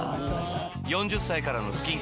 ４０歳からのスキンケア